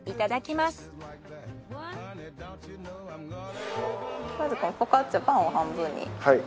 まずフォカッチャパンを半分に。